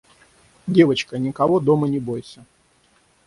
«Девочка, никого дома не бойся.